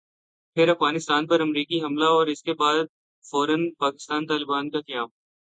پھر افغانستان پر امریکی حملہ اور اسکے فورا بعد پاکستانی طالبان کا قیام ۔